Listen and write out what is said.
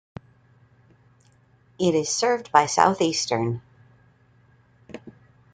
It is served by Southeastern.